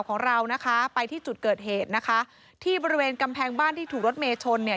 ของเรานะคะไปที่จุดเกิดเหตุนะคะที่บริเวณกำแพงบ้านที่ถูกรถเมชนเนี่ย